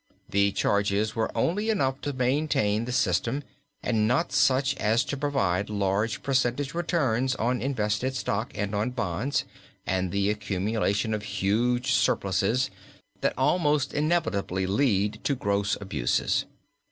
The charges were only enough to maintain the system, and not such as to provide large percentage returns on invested stock and on bonds, and the accumulation of huge surpluses that almost inevitably lead to gross abuses.